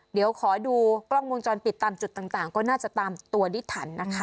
เดี๋ยวขอดูกล้องวงจรปิดตามจุดต่างก็น่าจะตามตัวได้ทันนะคะ